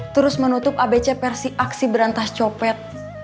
terus menutup abc versi aksi berantas copet